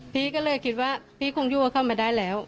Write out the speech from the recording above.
พี่ก็เลยคิดว่าพี่คงอยู่กับเขามาได้แล้ว